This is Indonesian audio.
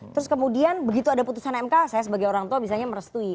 terus kemudian begitu ada putusan mk saya sebagai orang tua misalnya merestui